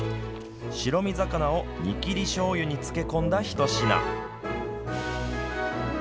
白身魚を煮きりしょうゆに漬け込んだひと品。